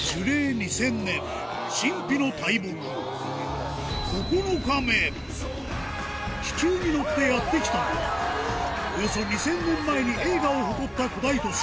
２０００年神秘の大木気球に乗ってやってきたのはおよそ２０００年前に栄華を誇った古代都市